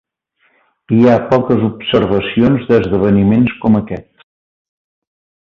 Hi ha poques observacions d'esdeveniments com aquest.